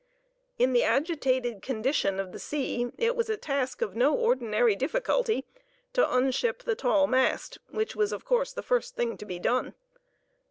In the agitated condition of the sea, it was a task of no ordinary difficulty to unship the tall mast, which was of course the first thing to be done.